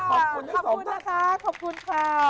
ขอบคุณนะคะขอบคุณค่ะ